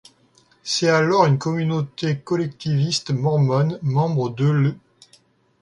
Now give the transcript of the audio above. C'est alors une communauté collectiviste mormone, membre de l'.